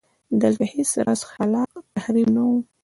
دلته هېڅ راز خلاق تخریب نه و.